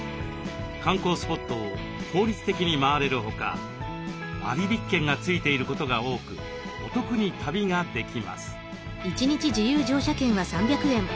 観光スポットを効率的に回れるほか割引券がついていることが多くお得に旅ができます。